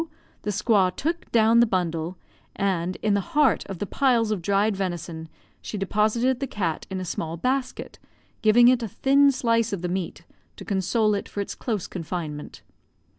the squaw took down the bundle, and, in the heart of the piles of dried venison, she deposited the cat in a small basket, giving it a thin slice of the meat to console it for its close confinement.